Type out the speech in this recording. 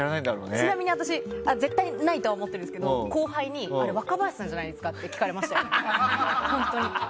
ちなみに私、絶対にないとは思っているんですけど後輩に若林さんじゃないですか？って聞かれましたよ、本当に。